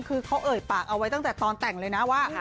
คือเขาเอ่ยปากเอาไว้ตั้งแต่ตอนแต่งเลยนะว่า